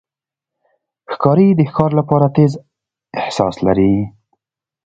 ښکاري د ښکار لپاره تیز احساس لري.